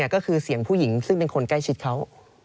ก็คือเสียงผู้หญิงซึ่งเป็นคนใกล้ชิดเขา